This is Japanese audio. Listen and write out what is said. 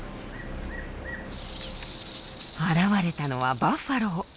現れたのはバッファロー。